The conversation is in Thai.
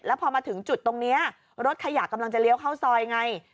พอมาถึงจุดตรงนี้รถขยะกำลังจะเลี้ยวเข้าซอยไง